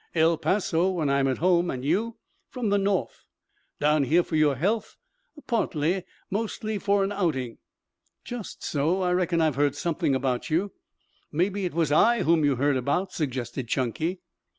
"El Paso, when I'm at home. And you?" "From the north." "Down here for your health?" "Partly. Mostly for an outing." "Just so. I reckon I've heard something about you." "Maybe it was I whom you heard about," suggested Chunky.